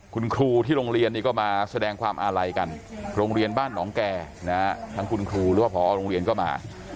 คุณครูที่โรงเรียนนี่ก็มาแสดงความอาลัยกันโรงเรียนบ้านหนองแก่นะฮะทั้งคุณครูหรือว่าพอโรงเรียนก็มา